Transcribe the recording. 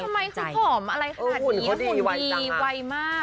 แล้วทำไมคุณผอมอะไรขนาดนี้หุ่นดีวัยมาก